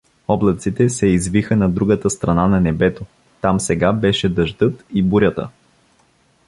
Облаците се извиха на другата страна на небето, там сега беше дъждът и бурята.